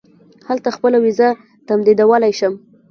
هلته خپله وېزه تمدیدولای شم.